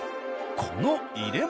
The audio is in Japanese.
この入れ物。